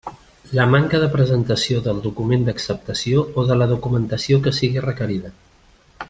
La manca de presentació del document d'acceptació o de la documentació que sigui requerida.